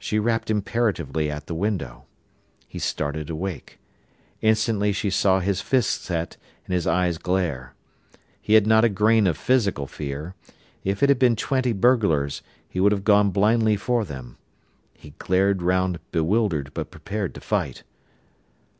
She rapped imperatively at the window. He started awake. Instantly she saw his fists set and his eyes glare. He had not a grain of physical fear. If it had been twenty burglars, he would have gone blindly for them. He glared round, bewildered, but prepared to fight.